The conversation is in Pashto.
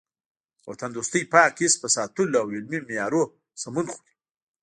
د وطن دوستۍ پاک حس په ساتلو او علمي معیارونو سمون خوري.